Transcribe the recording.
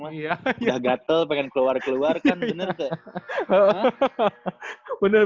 udah gatel pengen keluar keluar kan bener kek